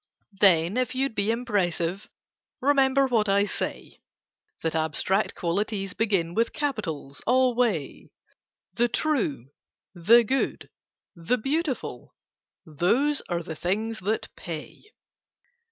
"Then, if you'd be impressive, Remember what I say, That abstract qualities begin With capitals alway: The True, the Good, the Beautiful— Those are the things that pay!